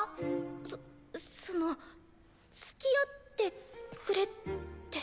そそのつきあってくれって。